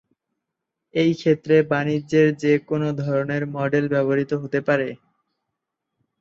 এই ক্ষেত্রে বাণিজ্যের যে কোন ধরনের মডেল ব্যবহৃত হতে পারে।